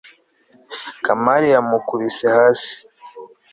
kamari yamukubise hasi